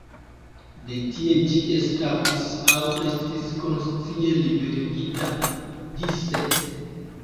De tie ĝi eskapis aŭ estis konscie liberigita dise.